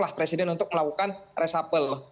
wah presiden untuk melakukan resapel